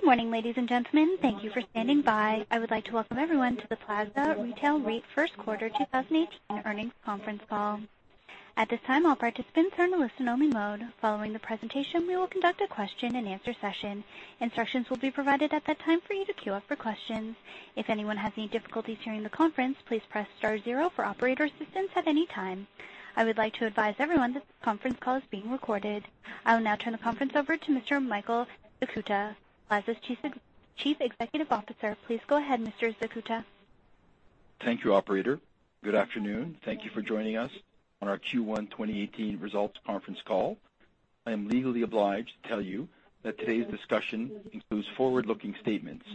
Good morning, ladies and gentlemen. Thank you for standing by. I would like to welcome everyone to the Plaza Retail REIT First Quarter 2018 Earnings Conference Call. At this time, all participants are in a listen-only mode. Following the presentation, we will conduct a question and answer session. Instructions will be provided at that time for you to queue up for questions. If anyone has any difficulties during the conference, please press star zero for operator assistance at any time. I would like to advise everyone that this conference call is being recorded. I will now turn the conference over to Mr. Michael Zakuta, Plaza's Chief Executive Officer. Please go ahead, Mr. Zakuta. Thank you, operator. Good afternoon. Thank you for joining us on our Q1 2018 results conference call. I am legally obliged to tell you that today's discussion includes forward-looking statements.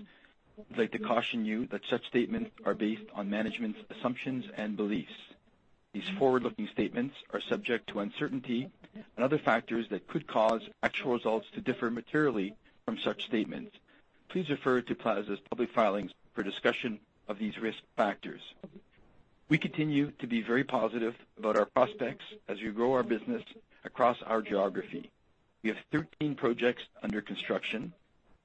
I'd like to caution you that such statements are based on management's assumptions and beliefs. These forward-looking statements are subject to uncertainty and other factors that could cause actual results to differ materially from such statements. Please refer to Plaza's public filings for discussion of these risk factors. We continue to be very positive about our prospects as we grow our business across our geography. We have 13 projects under construction.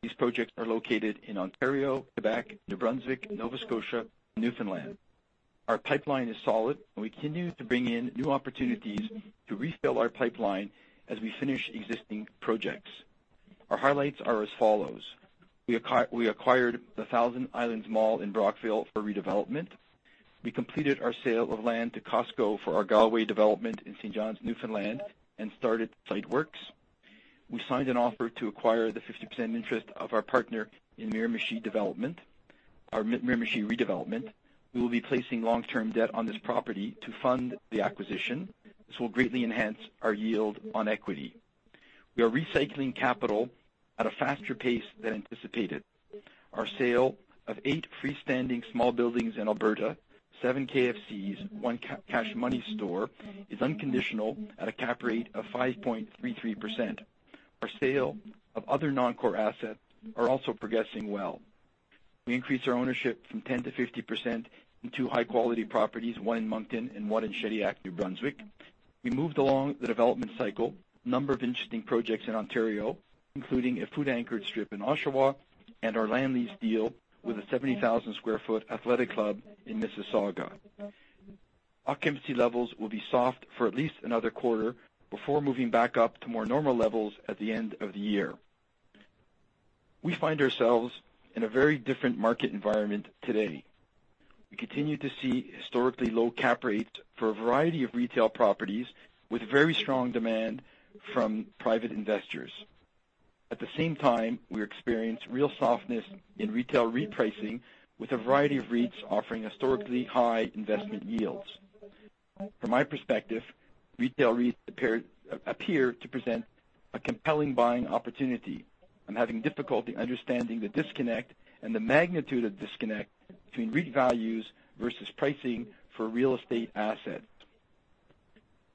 These projects are located in Ontario, Quebec, New Brunswick, Nova Scotia, and Newfoundland. Our pipeline is solid. We continue to bring in new opportunities to refill our pipeline as we finish existing projects. Our highlights are as follows. We acquired the 1000 Islands Mall in Brockville for redevelopment. We completed our sale of land to Costco for our Galway development in St. John's, Newfoundland, and started site works. We signed an offer to acquire the 50% interest of our partner in Miramichi development. Our Miramichi redevelopment, we will be placing long-term debt on this property to fund the acquisition. This will greatly enhance our yield on equity. We are capital recycling at a faster pace than anticipated. Our sale of eight freestanding small buildings in Alberta, seven KFCs, one Cash Money store, is unconditional at a cap rate of 5.33%. Our sale of other non-core assets are also progressing well. We increased our ownership from 10% to 50% in two high-quality properties, one in Moncton and one in Shediac, New Brunswick. We moved along the development cycle, a number of interesting projects in Ontario, including a food-anchored strip in Oshawa, and our land lease deal with a 70,000-square-foot athletic club in Mississauga. Occupancy levels will be soft for at least another quarter before moving back up to more normal levels at the end of the year. We find ourselves in a very different market environment today. We continue to see historically low cap rates for a variety of retail properties with very strong demand from private investors. At the same time, we experience real softness in retail repricing with a variety of REITs offering historically high investment yields. From my perspective, retail REITs appear to present a compelling buying opportunity. I'm having difficulty understanding the disconnect and the magnitude of disconnect between REIT values versus pricing for real estate assets.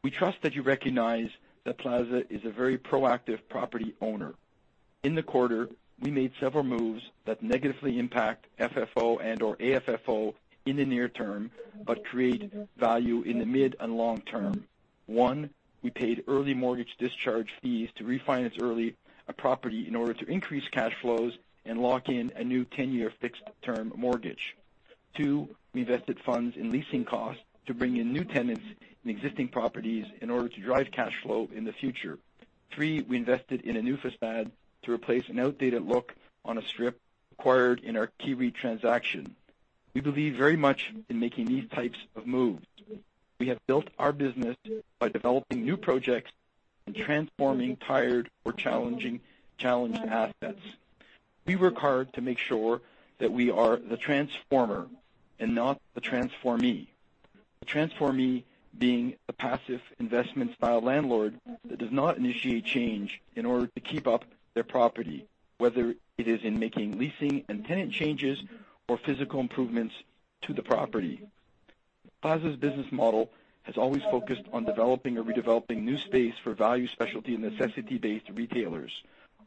We trust that you recognize that Plaza is a very proactive property owner. In the quarter, we made several moves that negatively impact FFO and/or AFFO in the near term but create value in the mid- and long-term. 1, we paid early mortgage discharge fees to refinance early a property in order to increase cash flows and lock in a new 10-year fixed-term mortgage. 2, we invested funds in leasing costs to bring in new tenants in existing properties in order to drive cash flow in the future. 3, we invested in a new façade to replace an outdated look on a strip acquired in our KEYreit transaction. We believe very much in making these types of moves. We have built our business by developing new projects and transforming tired or challenged assets. We work hard to make sure that we are the transformer and not the transformee. The transformee being a passive investment-style landlord that does not initiate change in order to keep up their property, whether it is in making leasing and tenant changes or physical improvements to the property. Plaza's business model has always focused on developing or redeveloping new space for value specialty and necessity-based retailers.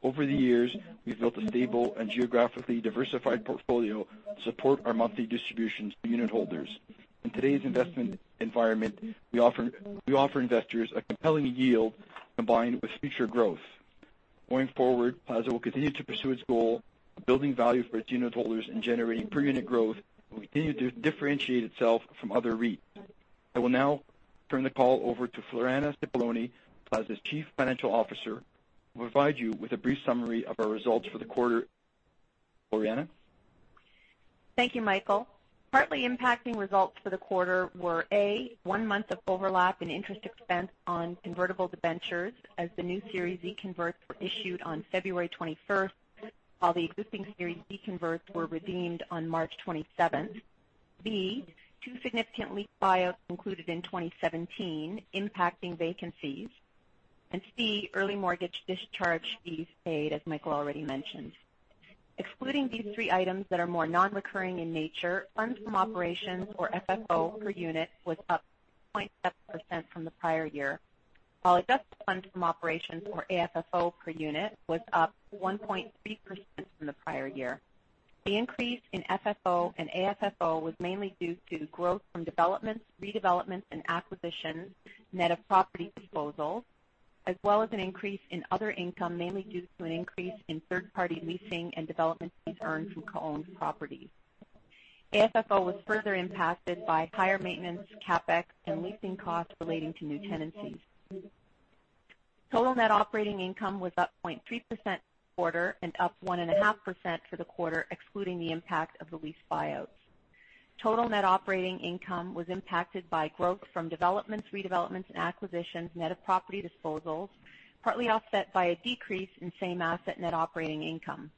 Over the years, we've built a stable and geographically diversified portfolio to support our monthly distributions to unitholders. In today's investment environment, we offer investors a compelling yield combined with future growth. Going forward, Plaza will continue to pursue its goal of building value for its unitholders and generating per unit growth and will continue to differentiate itself from other REITs. I will now turn the call over to Floriana Cipollone, Plaza's Chief Financial Officer, who will provide you with a brief summary of our results for the quarter. Floriana? Thank you, Michael. Partly impacting results for the quarter were, A, one month of overlap in interest expense on convertible debentures as the new Series E converts were issued on February 21st, while the existing Series E converts were redeemed on March 27th. B, two significant lease buyouts included in 2017 impacting vacancies. C, early mortgage discharge fees paid, as Michael already mentioned. Excluding these three items that are more non-recurring in nature, funds from operations, or FFO per unit, was up 0.7% from the prior year, while adjusted funds from operations, or AFFO per unit, was up 1.3% from the prior year. The increase in FFO and AFFO was mainly due to growth from developments, redevelopments, and acquisitions, net of property disposals, as well as an increase in other income, mainly due to an increase in third-party leasing and development fees earned from co-owned properties. AFFO was further impacted by higher maintenance, CapEx, and leasing costs relating to new tenancies. Total net operating income was up 0.3% quarter and up 1.5% for the quarter, excluding the impact of the lease buyouts. Total net operating income was impacted by growth from developments, redevelopments, and acquisitions, net of property disposals, partly offset by a decrease in same-asset net operating income.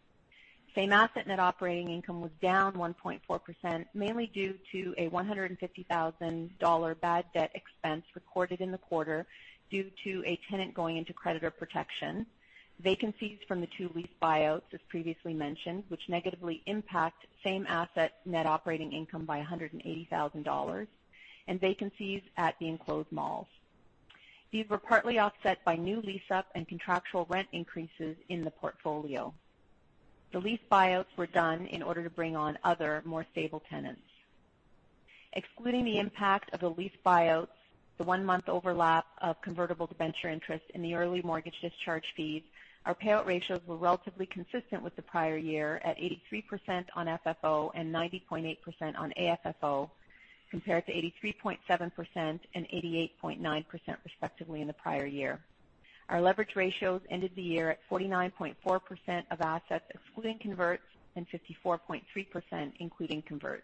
Same-asset net operating income was down 1.4%, mainly due to a 150,000 dollar bad debt expense recorded in the quarter due to a tenant going into creditor protection, vacancies from the two lease buyouts, as previously mentioned, which negatively impact same-asset net operating income by 180,000 dollars, and vacancies at the enclosed malls. These were partly offset by new lease-up and contractual rent increases in the portfolio. The lease buyouts were done in order to bring on other, more stable tenants. Excluding the impact of the lease buyouts, the one-month overlap of convertible debenture interest in the early mortgage discharge fees, our payout ratios were relatively consistent with the prior year at 83% on FFO and 90.8% on AFFO, compared to 83.7% and 88.9%, respectively, in the prior year. Our leverage ratios ended the year at 49.4% of assets excluding converts and 54.3% including converts.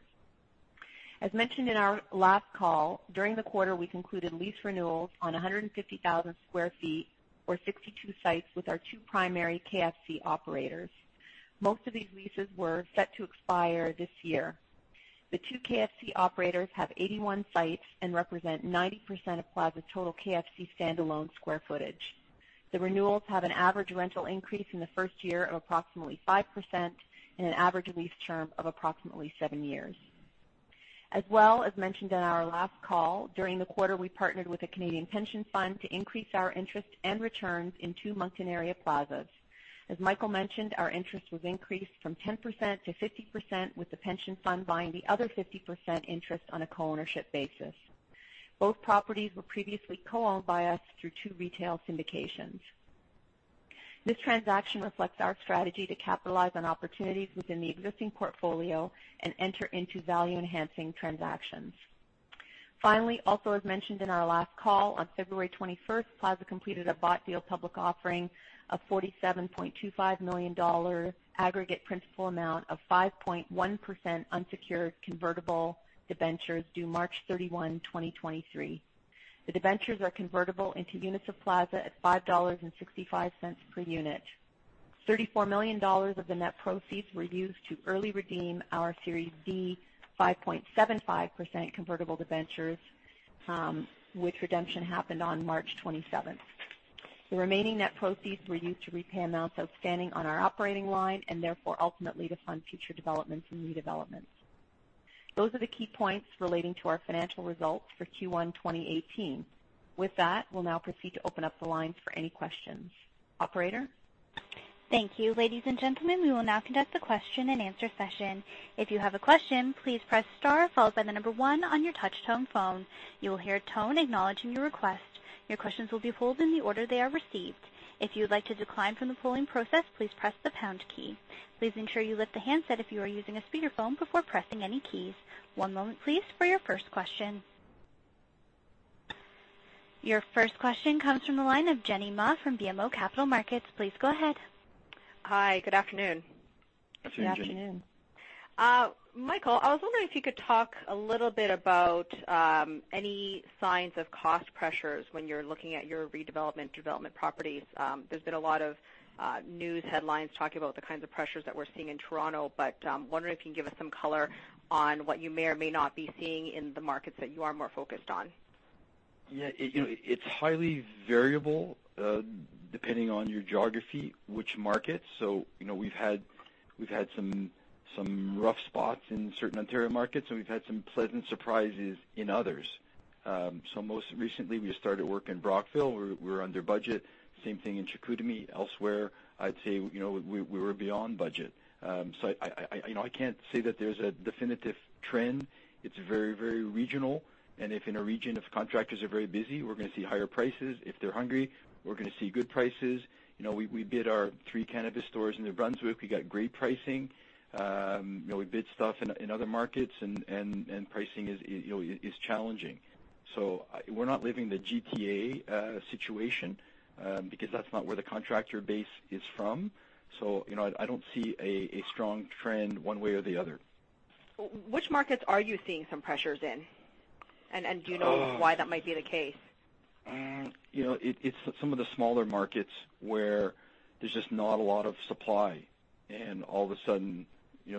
As mentioned in our last call, during the quarter, we concluded lease renewals on 150,000 sq ft or 62 sites with our two primary KFC operators. Most of these leases were set to expire this year. The two KFC operators have 81 sites and represent 90% of Plaza's total KFC standalone square footage. The renewals have an average rental increase in the first year of approximately 5% and an average lease term of approximately seven years. As mentioned in our last call, during the quarter, we partnered with a Canadian pension fund to increase our interest and returns in two Moncton area plazas. As Michael mentioned, our interest was increased from 10% to 50%, with the pension fund buying the other 50% interest on a co-ownership basis. Both properties were previously co-owned by us through two retail syndications. This transaction reflects our strategy to capitalize on opportunities within the existing portfolio and enter into value-enhancing transactions. Finally, also as mentioned in our last call, on February 21st, Plaza completed a bought deal public offering of 47.25 million dollars aggregate principal amount of 5.1% unsecured convertible debentures due March 31, 2023. The debentures are convertible into units of Plaza at 5.65 dollars per unit. 34 million dollars of the net proceeds were used to early redeem our Series D 5.75% convertible debentures, which redemption happened on March 27th. The remaining net proceeds were used to repay amounts outstanding on our operating line, and therefore, ultimately to fund future developments and redevelopments. Those are the key points relating to our financial results for Q1 2018. We'll now proceed to open up the lines for any questions. Operator? Thank you. Ladies and gentlemen, we will now conduct the question and answer session. If you have a question, please press star followed by the number one on your touchtone phone. You will hear a tone acknowledging your request. Your questions will be pulled in the order they are received. If you would like to decline from the polling process, please press the pound key. Please ensure you lift the handset if you are using a speakerphone before pressing any keys. One moment, please, for your first question. Your first question comes from the line of Jenny Ma from BMO Capital Markets. Please go ahead. Hi. Good afternoon. Good afternoon. Good afternoon. Michael, I was wondering if you could talk a little bit about any signs of cost pressures when you're looking at your redevelopment properties. There's been a lot of news headlines talking about the kinds of pressures that we're seeing in Toronto, but wondering if you can give us some color on what you may or may not be seeing in the markets that you are more focused on. Yeah. It's highly variable depending on your geography, which market. We've had some rough spots in certain Ontario markets, and we've had some pleasant surprises in others. Most recently, we started work in Brockville. We're under budget. Same thing in Chicoutimi. Elsewhere, I'd say we were beyond budget. I can't say that there's a definitive trend. It's very regional, and if in a region, if contractors are very busy, we're going to see higher prices. If they're hungry, we're going to see good prices. We bid our three cannabis stores in New Brunswick. We got great pricing. We bid stuff in other markets, and pricing is challenging. We're not living the GTA situation, because that's not where the contractor base is from. I don't see a strong trend one way or the other. Which markets are you seeing some pressures in? Do you know why that might be the case? It's some of the smaller markets where there's just not a lot of supply, and all of a sudden,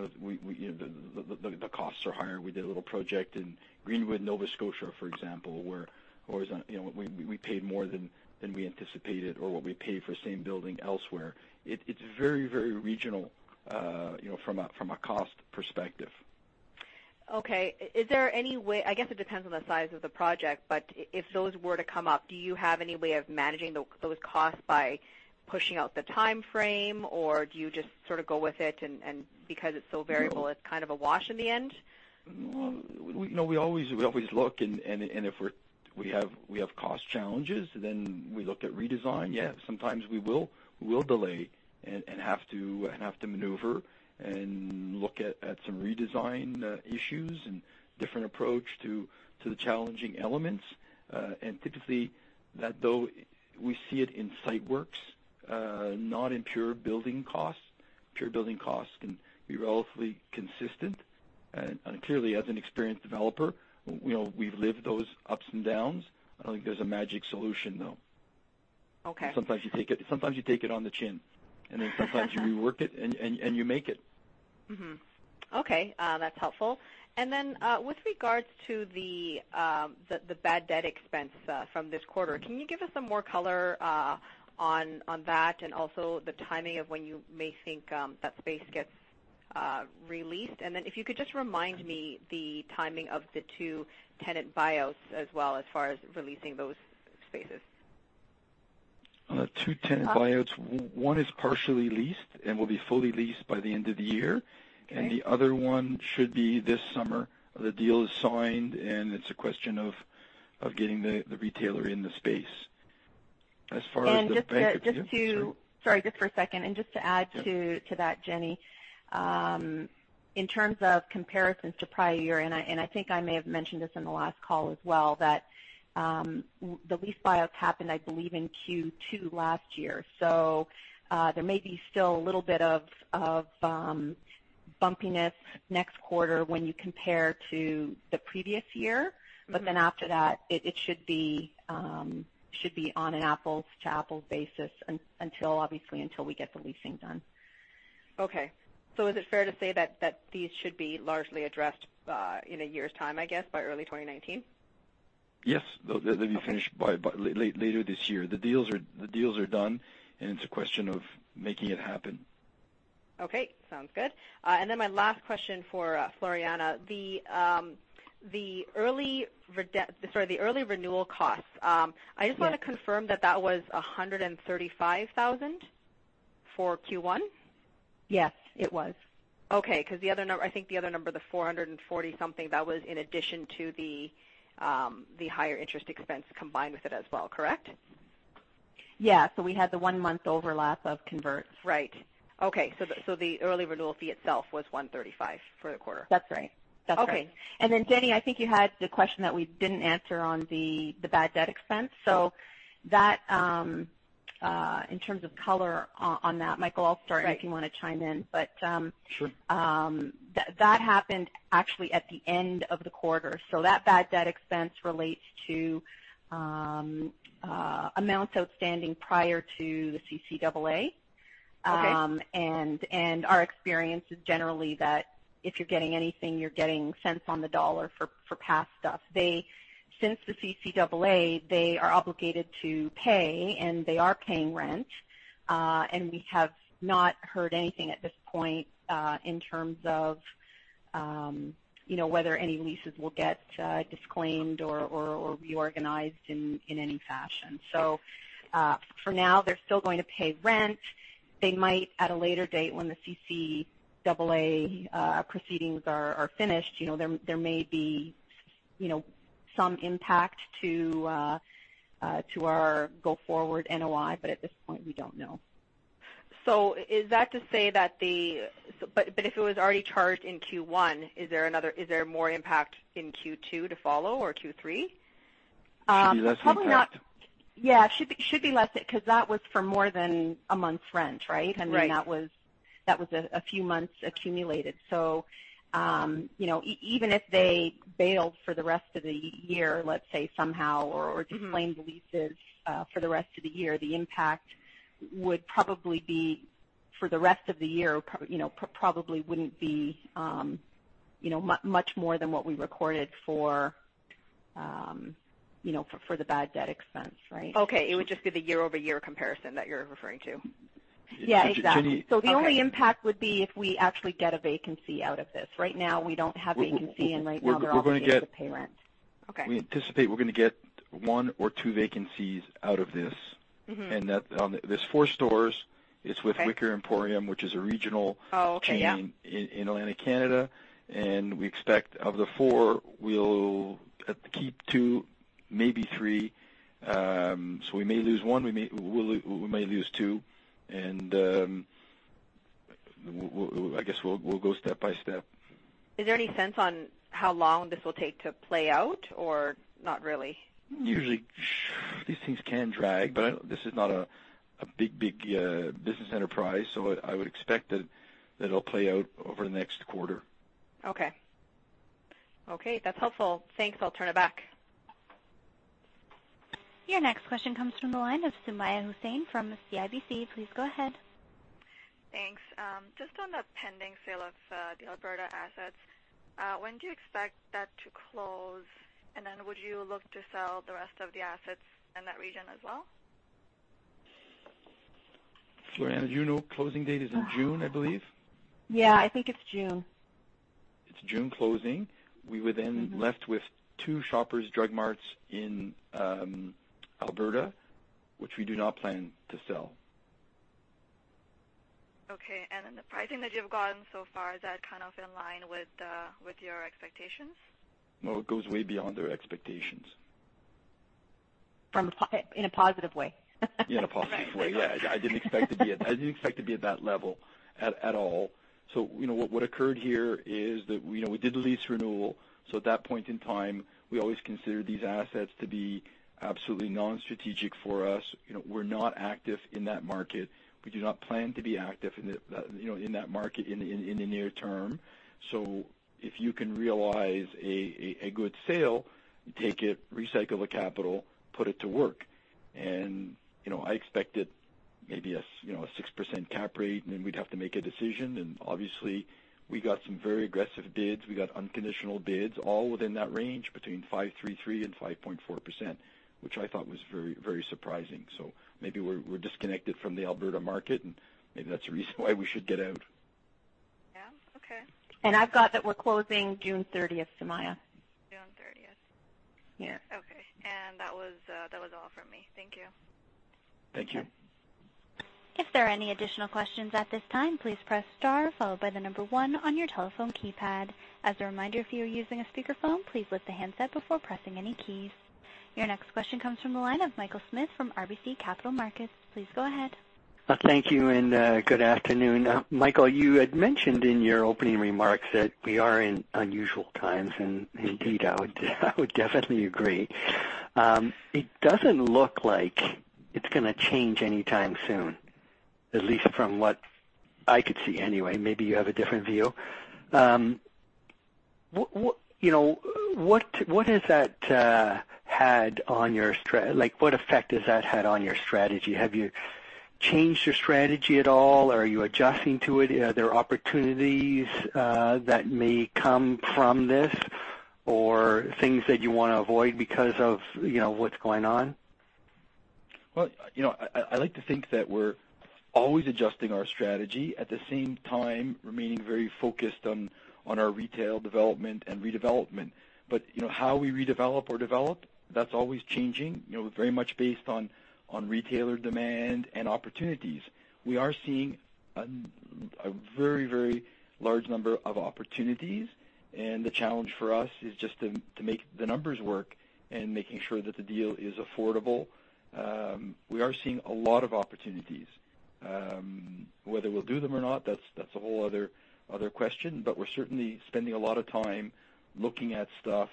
the costs are higher. We did a little project in Greenwood, Nova Scotia, for example, where we paid more than we anticipated or what we paid for the same building elsewhere. It's very regional from a cost perspective. Okay. I guess it depends on the size of the project, but if those were to come up, do you have any way of managing those costs by pushing out the timeframe, or do you just sort of go with it, and because it's so variable, it's kind of a wash in the end? No. We always look and if we have cost challenges, then we look to redesign. Yeah, sometimes we will delay and have to maneuver and look at some redesign issues and different approach to the challenging elements. Typically, that though, we see it in site works, not in pure building costs. Pure building costs can be relatively consistent. Clearly, as an experienced developer, we've lived those ups and downs. I don't think there's a magic solution, though. Okay. Sometimes you take it on the chin, and then sometimes you rework it, and you make it. Mm-hmm. Okay. That's helpful. With regards to the bad debt expense from this quarter, can you give us some more color on that, and also the timing of when you may think that space gets released? If you could just remind me the timing of the two tenant buyouts as well, as far as releasing those spaces. Two tenant buyouts. One is partially leased and will be fully leased by the end of the year. Okay. The other one should be this summer. The deal is signed, and it's a question of getting the retailer in the space. And just to Sorry, just for a second. Just to add to that, Jenny. In terms of comparisons to prior year, and I think I may have mentioned this in the last call as well, that the lease buyouts happened, I believe, in Q2 last year. There may be still a little bit of bumpiness next quarter when you compare to the previous year. After that, it should be on an apples-to-apples basis, obviously until we get the leasing done. Okay. Is it fair to say that these should be largely addressed in a year's time, I guess, by early 2019? Yes. They'll be finished by later this year. The deals are done, and it's a question of making it happen. Okay. Sounds good. My last question for Floriana. The early renewal costs. I just want to confirm that that was 135,000 for Q1? Yes, it was. Okay, I think the other number, the 440-something, that was in addition to the higher interest expense combined with it as well, correct? Yeah. We had the one-month overlap of converts. Right. Okay. The early renewal fee itself was 135 for the quarter. That's right. Okay. Jenny, I think you had the question that we didn't answer on the bad debt expense. In terms of color on that, Michael, I'll start if you want to chime in. Sure. That happened actually at the end of the quarter. That bad debt expense relates to amounts outstanding prior to the CCAA. Okay. Our experience is generally that if you're getting anything, you're getting cents on the dollar for past due. Since the CCAA, they are obligated to pay, and they are paying rent. We have not heard anything at this point in terms of whether any leases will get disclaimed or reorganized in any fashion. For now, they're still going to pay rent. They might, at a later date, when the CCAA proceedings are finished, there may be some impact to our go forward NOI, but at this point, we don't know. Is that to say that if it was already charged in Q1, is there more impact in Q2 to follow, or Q3? Should be less impact. Yeah. Should be less, because that was for more than a month's rent, right? Right. That was a few months accumulated. Even if they bailed for the rest of the year, let's say somehow, or disclaimed the leases for the rest of the year, the impact would probably be for the rest of the year, probably wouldn't be much more than what we recorded for the bad debt expense, right? Okay. It would just be the year-over-year comparison that you're referring to? Yeah, exactly. Jenny- The only impact would be if we actually get a vacancy out of this. Right now, we don't have vacancy, and right now they're all able to pay rent. We anticipate we're going to get one or two vacancies out of this. That there's four stores. It's with Wicker Emporium, which is a regional Oh, okay. Yeah chain in Atlantic Canada. We expect of the four, we'll keep two, maybe three. We may lose one. We may lose two. I guess we'll go step by step. Is there any sense on how long this will take to play out, or not really? Usually these things can drag, but this is not a big business enterprise, so I would expect that it'll play out over the next quarter. Okay. That's helpful. Thanks. I'll turn it back. Your next question comes from the line of Sumayya Hussain from CIBC. Please go ahead. Thanks. Just on the pending sale of the Alberta assets, when do you expect that to close? Would you look to sell the rest of the assets in that region as well? Floriana, do you know closing date is in June, I believe? Yeah, I think it's June. It's June closing. We were then left with two Shoppers Drug Marts in Alberta, which we do not plan to sell. Okay. Then the pricing that you've gotten so far, is that in line with your expectations? No, it goes way beyond our expectations. In a positive way. In a positive way, yes. I didn't expect to be at that level at all. What occurred here is that we did the lease renewal, so at that point in time, we always considered these assets to be absolutely non-strategic for us. We're not active in that market. We do not plan to be active in that market in the near term. If you can realize a good sale, take it, recycle the capital, put it to work. I expected maybe a 6% cap rate, and then we'd have to make a decision. Obviously, we got some very aggressive bids. We got unconditional bids, all within that range, between 5.33 and 5.4%, which I thought was very surprising. Maybe we're disconnected from the Alberta market, and maybe that's a reason why we should get out. Yeah. Okay. I've got that we're closing June 30th,Sumayya. June 30th. Yeah. Okay. That was all from me. Thank you. Thank you. If there are any additional questions at this time, please press star followed by the number one on your telephone keypad. As a reminder, if you are using a speakerphone, please lift the handset before pressing any keys. Your next question comes from the line of Michael Smith from RBC Capital Markets. Please go ahead. Thank you, good afternoon. Michael, you had mentioned in your opening remarks that we are in unusual times, and indeed, I would definitely agree. It doesn't look like it's going to change anytime soon, at least from what I could see anyway. Maybe you have a different view. What effect has that had on your strategy? Have you changed your strategy at all? Are you adjusting to it? Are there opportunities that may come from this or things that you want to avoid because of what's going on? Well, I like to think that we're always adjusting our strategy, at the same time, remaining very focused on our retail development and redevelopment. How we redevelop or develop, that's always changing, very much based on retailer demand and opportunities. We are seeing a very large number of opportunities. The challenge for us is just to make the numbers work and making sure that the deal is affordable. We are seeing a lot of opportunities. Whether we'll do them or not, that's a whole other question. We're certainly spending a lot of time looking at stuff.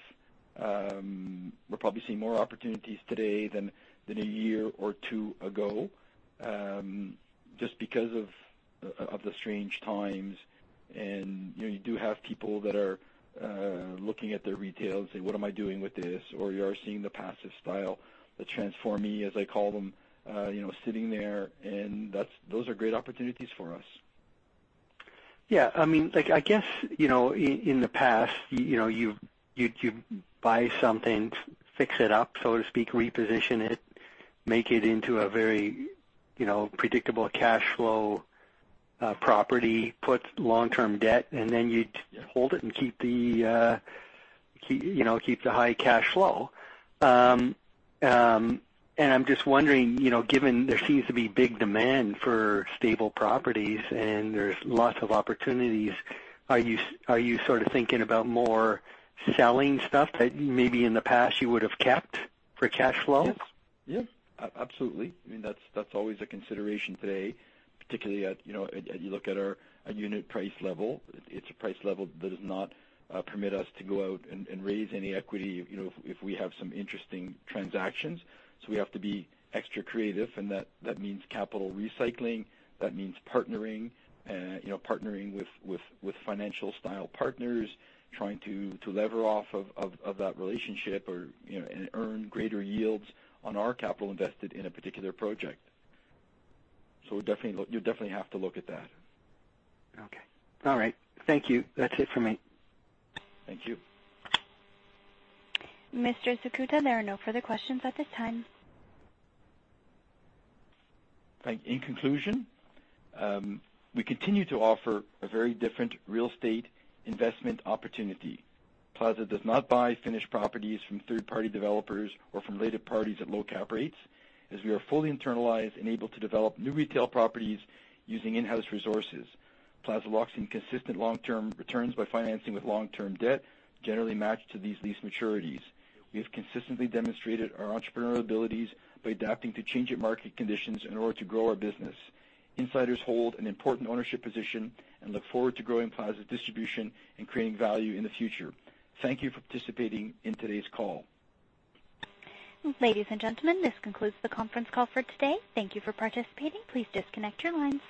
We're probably seeing more opportunities today than a year or two ago, just because of the strange times. You do have people that are looking at their retail and say, "What am I doing with this?" You are seeing the passive style, the transformee, as I call them, sitting there, and those are great opportunities for us. Yeah. I guess, in the past, you'd buy something, fix it up, so to speak, reposition it, make it into a very predictable cash flow property, put long-term debt. Then you'd hold it and keep the high cash flow. I'm just wondering, given there seems to be big demand for stable properties and there's lots of opportunities, are you thinking about more selling stuff that maybe in the past you would have kept for cash flow? Yes. Absolutely. That's always a consideration today, particularly as you look at our unit price level. It's a price level that does not permit us to go out and raise any equity if we have some interesting transactions. We have to be extra creative, and that means capital recycling. That means partnering with financial-style partners, trying to lever off of that relationship and earn greater yields on our capital invested in a particular project. You'll definitely have to look at that. Okay. All right. Thank you. That's it for me. Thank you. Mr. Zakuta, there are no further questions at this time. In conclusion, we continue to offer a very different real estate investment opportunity. Plaza does not buy finished properties from third-party developers or from related parties at low cap rates, as we are fully internalized and able to develop new retail properties using in-house resources. Plaza locks in consistent long-term returns by financing with long-term debt, generally matched to these lease maturities. We have consistently demonstrated our entrepreneurial abilities by adapting to changing market conditions in order to grow our business. Insiders hold an important ownership position and look forward to growing Plaza's distribution and creating value in the future. Thank you for participating in today's call. Ladies and gentlemen, this concludes the conference call for today. Thank you for participating. Please disconnect your lines.